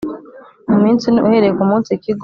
mu minsi ine uhereye ku munsi Ikigo